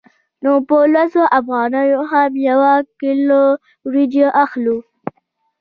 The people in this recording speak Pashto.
نو په لسو افغانیو هم یوه کیلو وریجې اخلو